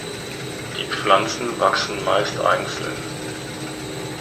Die Pflanzen wachsen meist einzeln.